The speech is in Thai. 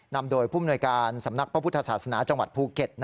นำโดยผู้มนวยการสำนักพระพุทธศาสนาจังหวัดภูเก็ต